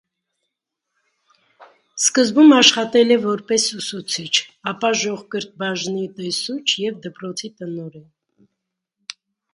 Սկզբում աշխատել է որպես ուսուցիչ, ապա ժողկրթբաժնի տեսուչ և դպրոցի տնօրեն։